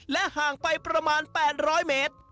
ห่างไปประมาณ๘๐๐เมตร